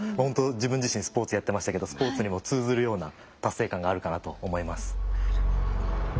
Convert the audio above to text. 自分自身スポーツやってましたけどスポーツにも通ずるような達成感があるかなと思います。